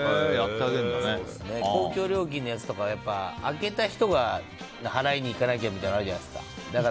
公共料金のやつとか開けた人が払いに行かなきゃみたいなあるじゃないですか。